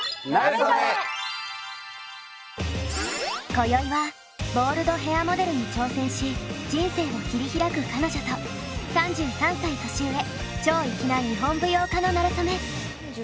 こよいはボールドヘアモデルに挑戦し人生を切り開く彼女と３３歳年上超粋な日本舞踊家のなれそめ。